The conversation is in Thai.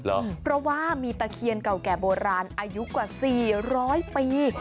เพราะว่ามีตะเคียนเก่าแก่โบราณอายุกว่าสี่ร้อยปี